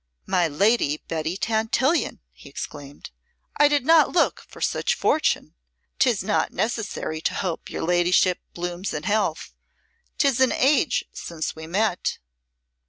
"My Lady Betty Tantillion!" he exclaimed, "I did not look for such fortune. 'Tis not necessary to hope your ladyship blooms in health. 'Tis an age since we met."